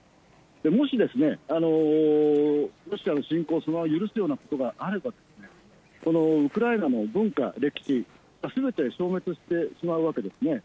もしロシアの侵攻を許すようなことがあれば、ウクライナの文化、歴史、すべて消滅してしまうわけですね。